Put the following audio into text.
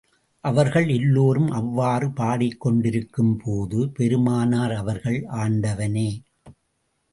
அவர்கள் எல்லோரும் அவ்வாறு பாடிக் கொண்டிருக்கும் போது, பெருமானார் அவர்கள், ஆண்டவனே!